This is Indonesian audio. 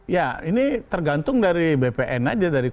ya ini tergantung dari bpn aja dari dua ya